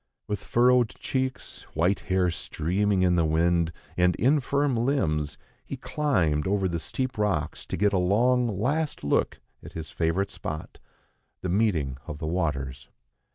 With furrowed cheeks, white hair streaming in the wind, and infirm limbs, he climbed over the steep rocks to get a long, last look at his favourite spot, the meeting of the waters.